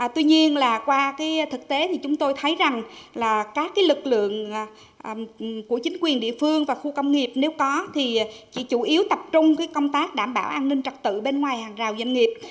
tuy nhiên là qua thực tế thì chúng tôi thấy rằng là các lực lượng của chính quyền địa phương và khu công nghiệp nếu có thì chỉ chủ yếu tập trung công tác đảm bảo an ninh trật tự bên ngoài hàng rào doanh nghiệp